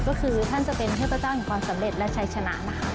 ก็คือท่านจะเป็นเทพเจ้าของความสำเร็จและชัยชนะนะคะ